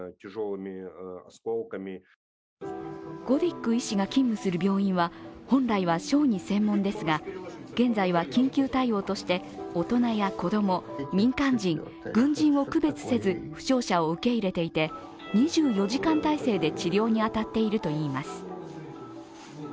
ゴディック医師が勤務する病院は、本来は小児専門ですが現在は緊急対応として大人や子供、民間人、軍人を区別せず負傷者を受け入れていて２４時間態勢で治療に当たっているといいます。